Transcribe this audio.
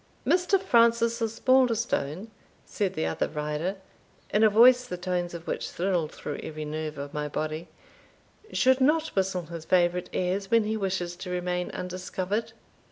"Mr. Francis Osbaldistone," said the other rider, in a voice the tones of which thrilled through every nerve of my body, "should not whistle his favourite airs when he wishes to remain undiscovered."